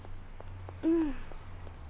うん。